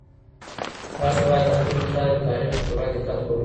تاسو بايد د خپلي خاوري تاريخ په پوره دقت ولولئ.